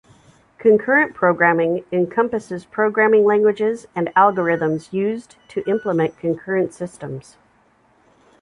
Concurrent programming encompasses programming languages and algorithms used to implement concurrent systems.